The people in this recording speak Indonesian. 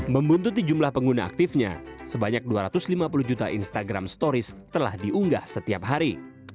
membuntuti jumlah pengguna aktifnya sebanyak dua ratus lima puluh juta instagram stories telah diunggah setiap hari